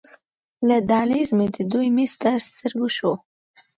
له دهلېز نه مې د دوی میز تر سترګو شو.